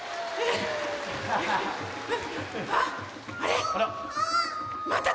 あっあれっ？